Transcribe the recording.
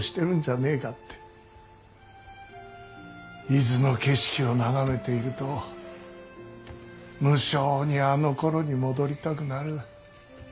伊豆の景色を眺めていると無性にあのころに戻りたくなる。